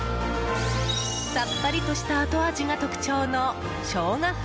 さっぱりとした後味が特徴のしょうが